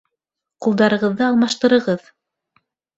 Ҡулдарығыҙҙы алмаштырығыҙ.